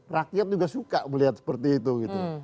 rakyat juga suka melihat seperti itu gitu